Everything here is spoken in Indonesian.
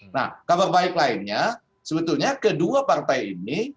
nah kabar baik lainnya sebetulnya kedua partai ini